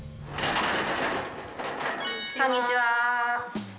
こんにちは。